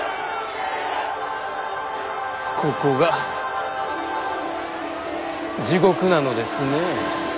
ここが地獄なのですね。